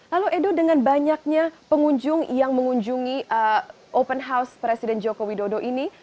lalu edo dengan banyaknya pengunjung yang mengunjungi open house presiden joko widodo ini